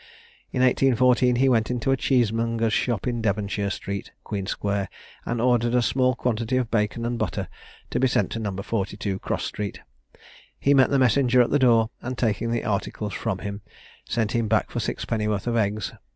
In 1814 he went into a cheesemonger's shop in Devonshire Street, Queen Square, and ordered a small quantity of bacon and butter to be sent to No. 42, Cross Street. He met the messenger at the door, and taking the articles from him, sent him back for six pennyworth of eggs.